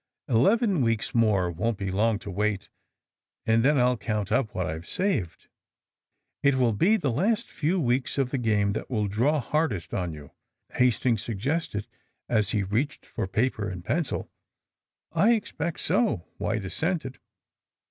Eleven weeks more won't be long to wait, and then I'll count up what I've saved." ^'It will be the last few weeks of the garae that will draw hardest on you," Hastings sug gested, as he reached for paper and pencil. ^*I expect so," White assented.